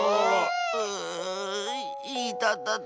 ううういたたた。